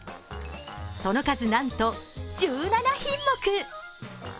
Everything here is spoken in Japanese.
その数、なんと１７品目。